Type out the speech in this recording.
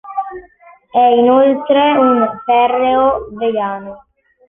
È inoltre un ferreo vegano.